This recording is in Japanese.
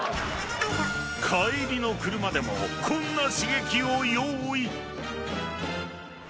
［帰りの車でもこんな刺激を用意］